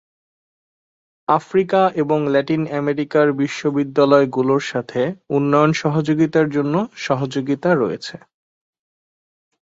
Africa এবং Latin আমেরিকার বিশ্ববিদ্যালয়গুলোর সাথে উন্নয়ন সহযোগিতার জন্য সহযোগিতা রয়েছে।